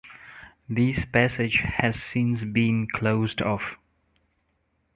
This passage has since been closed off.